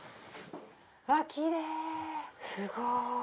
あっキレイすごい。